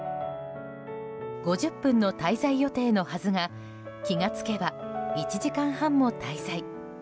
５０分の滞在予定のはずが気が付けば１時間半も滞在。